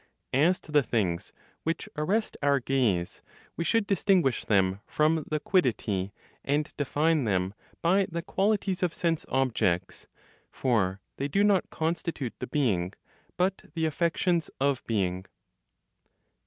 As to the things which arrest our gaze, we should distinguish them from the quiddity, and define them by the qualities of sense (objects); for they do not constitute the being, but the affections of being.